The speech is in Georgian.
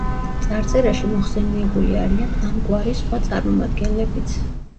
წარწერაში მოხსენიებული არიან ამ გვარის სხვა წარმომადგენლებიც.